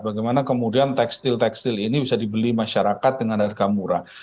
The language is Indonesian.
bagaimana kemudian tekstil tekstil ini bisa dibeli masyarakat dengan harga murah